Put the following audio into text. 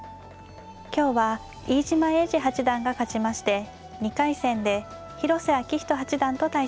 今日は飯島栄治八段が勝ちまして２回戦で広瀬章人八段と対戦致します。